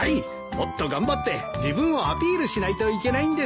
もっと頑張って自分をアピールしないといけないんです。